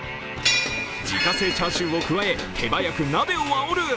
自家製チャーシューを加え手早く鍋をあおる。